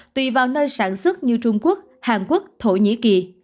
tùy vào nơi sản xuất như trung quốc hàn quốc thổ nhĩ kỳ